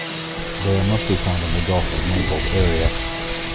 They are mostly found in the Gulf of Naples area.